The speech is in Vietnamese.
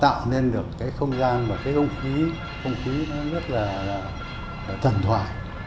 thì cái đó nó tạo nên được cái không gian và cái không khí không khí nó rất là thần thoại